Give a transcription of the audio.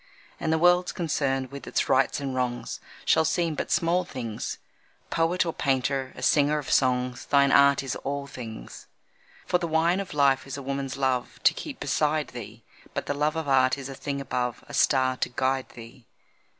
And the world's concerns with its rights and wrongs Shall seem but small things Poet or painter, a singer of songs, Thine art is all things. For the wine of life is a woman's love To keep beside thee; But the love of Art is a thing above A star to guide thee.